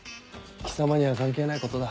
貴様には関係ないことだ。